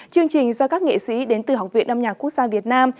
chương trình do các nghệ sĩ đến từ học viện âm nhạc quốc gia việt nam